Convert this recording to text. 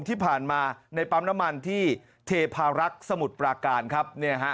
ที่ผ่านมาในปั๊มน้ำมันที่เทพารักษ์สมุทรปราการครับ